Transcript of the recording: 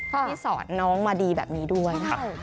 ที่สอนน้องมาดีแบบนี้ด้วยนะคะ